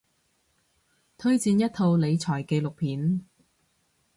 推薦一套理財紀錄片